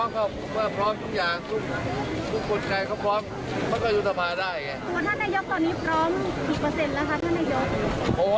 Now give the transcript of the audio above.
๕๐๐อยากเลือกตั้งเลยใช่ไหมครับท่านนายยก